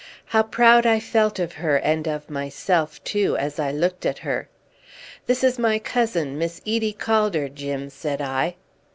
How proud I felt of her, and of myself too, as I looked at her! "This is my cousin, Miss Edie Calder, Jim," said I.